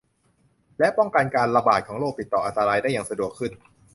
และป้องกันการระบาดของโรคติดต่ออันตรายได้อย่างสะดวกขึ้น